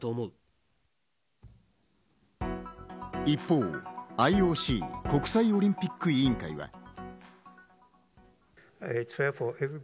一方、ＩＯＣ＝国際オリンピック委員会は。